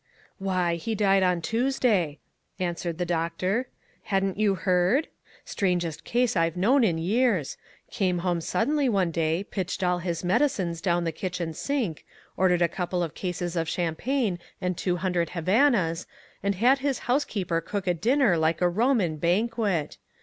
"Why, he died on Tuesday," answered the doctor. "Hadn't you heard? Strangest case I've known in years. Came home suddenly one day, pitched all his medicines down the kitchen sink, ordered a couple of cases of champagne and two hundred havanas, and had his housekeeper cook a dinner like a Roman banquet!